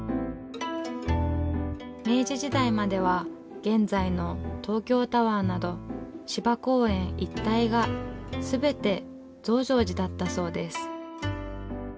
明治時代までは現在の東京タワーなど芝公園一帯が全て増上寺だったそうです。